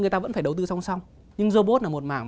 người ta vẫn phải đầu tư song song nhưng robot là một mảng